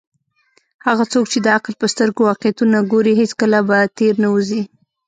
هغه څوک چې د عقل په سترګو واقعیتونه ګوري، هیڅکله به تیر نه وزي.